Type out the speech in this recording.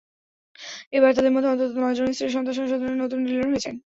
এবার তাঁদের মধ্যে অন্তত নয়জনের স্ত্রী, সন্তানসহ স্বজনেরা নতুন ডিলার হয়েছেন।